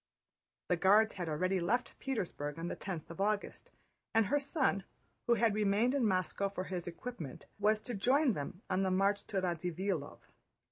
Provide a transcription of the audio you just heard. The Guards had already left Petersburg on the tenth of August, and her son, who had remained in Moscow for his equipment, was to join them on the march to Radzivílov.